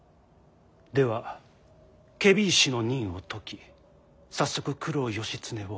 では検非違使の任を解き早速九郎義経を伊予守に。